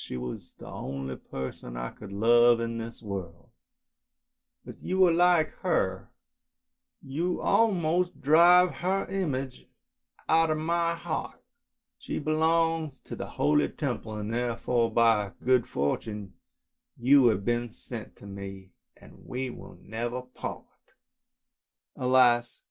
She was the only person I could love in this world, but you are like her, you almost drive her image out of my heart. She belongs to the holy Temple, and therefore by good fortune you have been sent to^me, we will never part! "" Alas!